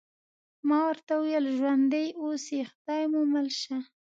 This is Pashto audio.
ما ورته وویل: ژوندي اوسئ، خدای مو مل شه.